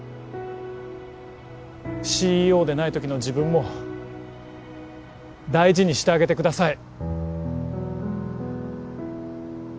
ＣＥＯでない時の自分も大事にしてあげてください